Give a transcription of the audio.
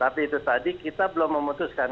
tapi itu tadi kita belum memutuskan